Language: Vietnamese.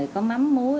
có mắm muối